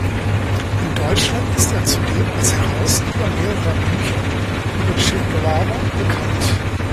In Deutschland ist er zudem als Herausgeber mehrerer Bücher über Che Guevara bekannt.